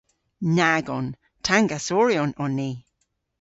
Nag on. Tangasoryon on ni.